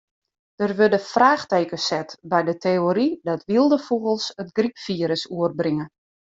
Der wurde fraachtekens set by de teory dat wylde fûgels it grypfirus oerbringe.